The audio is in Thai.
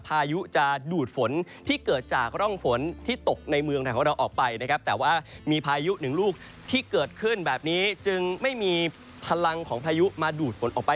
พายุจะดูดฝนที่เกิดจากร่องฝนที่ตกในเมืองไทยของเราออกไปนะครับแต่ว่ามีพายุหนึ่งลูกที่เกิดขึ้นแบบนี้จึงไม่มีพลังของพายุมาดูดฝนออกไป